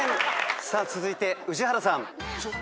さあ続いて宇治原さん。